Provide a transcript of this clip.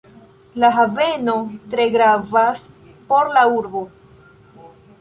La haveno tre gravas por la urbo.